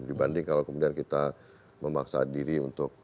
dibanding kalau kemudian kita memaksa diri untuk